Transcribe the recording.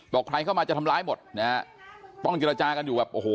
ใครเข้ามาจะทำร้ายหมดนะฮะต้องเจรจากันอยู่แบบโอ้โห